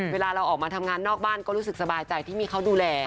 เวลาเราออกมาทำงานนอกบ้านก็รู้สึกสบายใจที่มีเขาดูแล